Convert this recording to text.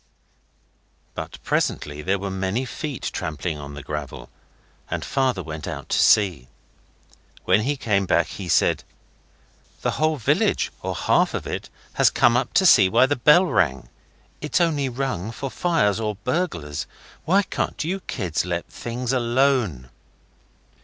But presently there were many feet trampling on the gravel, and Father went out to see. When he came back he said 'The whole village, or half of it, has come up to see why the bell rang. It's only rung for fire or burglars. Why can't you kids let things alone?